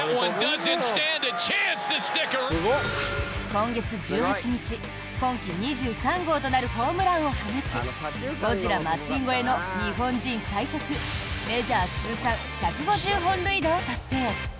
今月１８日、今季２３号となるホームランを放ちゴジラ松井超えの日本人最速メジャー通算１５０本塁打を達成。